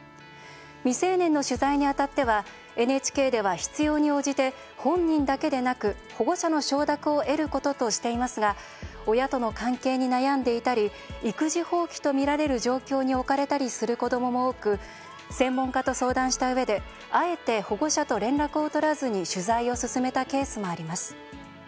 未成年の取材に当たってはＮＨＫでは必要に応じて本人だけでなく保護者の承諾を得ることとしていますが親との関係に悩んでいたり育児放棄とみられる状況に置かれたりする子どもも多く専門家と相談したうえであえて保護者と連絡を取らずに取材を進めたケースもあります。